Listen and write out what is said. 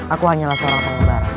aku hanyalah seorang pengembara